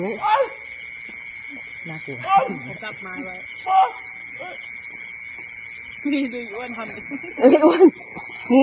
ให้อุบัติลุก